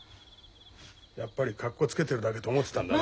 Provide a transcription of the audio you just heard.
やっぱりかっこつけてるだけと思ってたんだな。